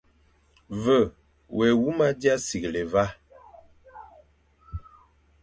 Ve wé huma dia sighle va,